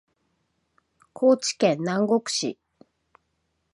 高知県南国市